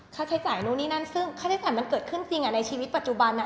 ค่าใช้จ่ายนู่นนี่นั่นซึ่งค่าใช้จ่ายมันเกิดขึ้นจริงในชีวิตปัจจุบัน